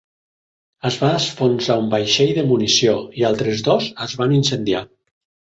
Es va enfonsar un vaixell de munició, i altres dos es van incendiar.